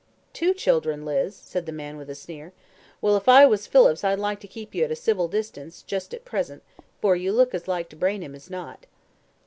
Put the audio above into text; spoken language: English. "Two children, Liz?" said the man with a sneer. "Well, if I was Phillips I'd like to keep you at a civil distance just at present, for you look as like to brain him as not."